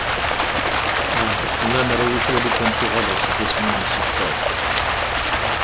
Ah lamer ad iyi-twaliḍ amek uɣaleɣ seg wass mi nemsebḍa.